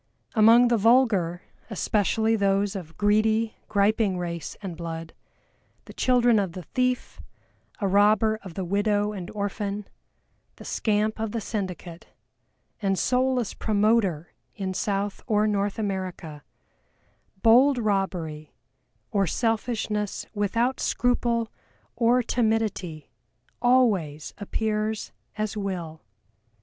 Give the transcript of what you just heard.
Among the vulgar, especially those of greedy, griping race and blood, the children of the thief, a robber of the widow and orphan, the scamp of the syndicate, and soulless "promoter" in South or North America, bold robbery, or Selfishness without scruple or timidity always appears as Will.